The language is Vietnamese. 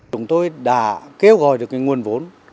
chúng tôi đã kêu gọi được cái nguồn vốn